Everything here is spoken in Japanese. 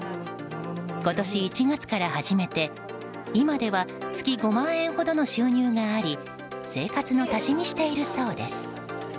今年１月から始めて今では月５万円ほどの収入があり生活の足しにしているそうです。